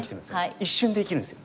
一瞬で生きるんですよ。